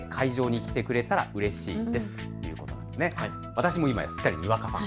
私も今やすっかりにわかファン。